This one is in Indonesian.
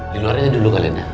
di luarnya dulu kalian ya